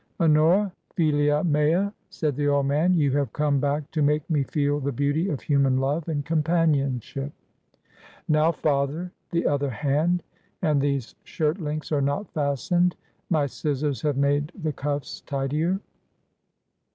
" Honora, ^//^ mea'' said the old man, " you have come back to make me feel the beauty of human love and companionship." " Now, father ! The other hand ! And these shirt links are not fastened! My scissors have made the cuffs tidier."